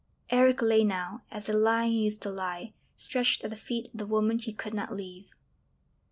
Eric lay now, as the lion used to lie, stretched at the feet of the woman he could not leave.